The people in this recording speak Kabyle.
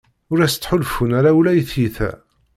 Ur as-ttḥulfun ara ula i tyita.